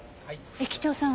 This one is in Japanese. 駅長さん！